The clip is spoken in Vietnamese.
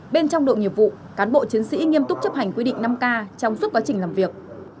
bên trong đội nghiệp vụ cán bộ chiến sĩ nghiêm túc chấp hành quy định năm k trong suốt quá trình làm việc